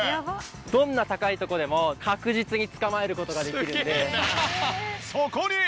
どんな高いとこでも確実に捕まえる事ができるんで。